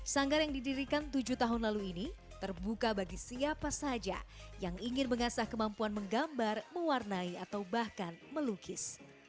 sanggar yang didirikan tujuh tahun lalu ini terbuka bagi siapa saja yang ingin mengasah kemampuan menggambar mewarnai atau bahkan melukis